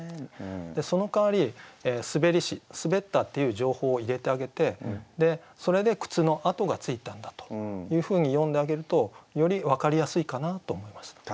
その代わり「滑りし」滑ったっていう情報を入れてあげてそれで靴の跡がついたんだというふうに詠んであげるとより分かりやすいかなと思います。